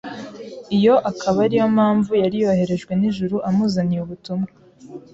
iyo akaba ari yo mpamvu yari yoherejwe n’ijuru amuzaniye ubutumwa